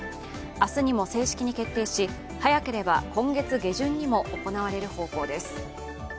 明日にも正式に決定し、早ければ今月下旬にも行われる方向です。